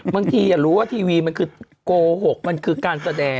ไม่รู้ว่าทีวีมันคือโกหกมันคือการแสดง